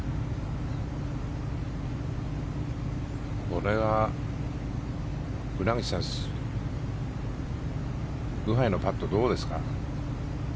これは村口さんブハイのパットどうですか？